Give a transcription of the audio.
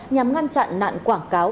nhằm ngăn chặn nạn quảng cáo